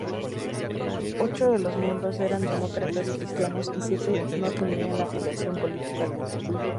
Ocho de los miembros eran demócratas cristianos y siete no tenían afiliación política alguna.